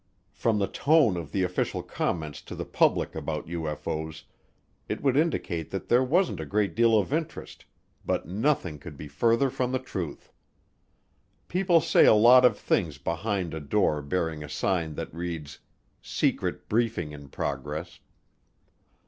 From the tone of the official comments to the public about UFO's, it would indicate that there wasn't a great deal of interest, but nothing could be further from the truth. People say a lot of things behind a door bearing a sign that reads "Secret Briefing in Progress."